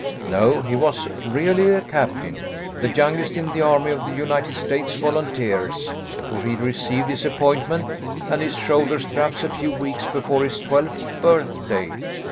" No, he was really a captain, the youngest in the army of the United States Volunteers, for he re ceived his appointment and his shoulder straps a few weeks before his twelfth birthday.